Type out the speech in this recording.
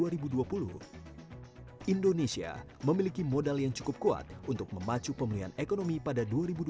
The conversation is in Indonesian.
indonesia memiliki modal yang cukup kuat untuk memacu pemulihan ekonomi pada dua ribu dua puluh